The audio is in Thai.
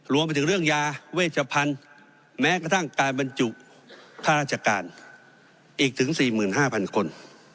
รวมไปถึงเรื่องยาเวชพันธุ์แม้กระทั่งการบรรจุค่าราชการอีกถึง๔๕๐๐คน